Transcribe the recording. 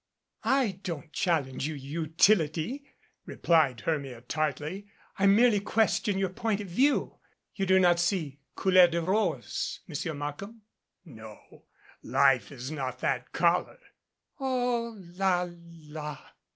"I don't challenge your utility," replied Hermia tartly. "I merely question your point of view. You do not see couleur de rose, Mr. Markham." "No. Life is not that color." "Oh, la la